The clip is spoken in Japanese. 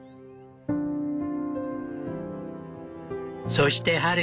そして春。